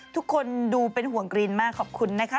ทุกคนดูเป็นห่วงกรีนมากขอบคุณนะคะ